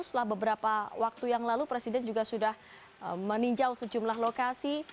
setelah beberapa waktu yang lalu presiden juga sudah meninjau sejumlah lokasi